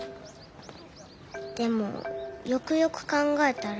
でもよくよく考えたら。